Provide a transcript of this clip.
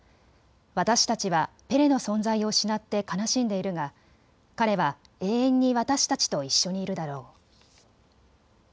私たちはペレの存在を失って悲しんでいるが彼は永遠に私たちと一緒にいるだろう。